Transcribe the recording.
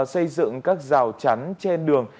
xây dựng các rào chắn trên đường